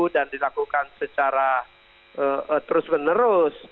dan dilakukan secara terus menerus